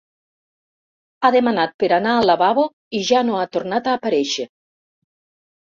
Ha demanat per anar al lavabo i ja no ha tornat a aparèixer.